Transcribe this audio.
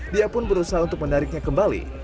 dia pun berusaha untuk menariknya kembali